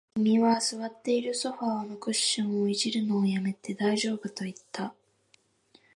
君は座っているソファーのクッションを弄るのを止めて、大丈夫と言った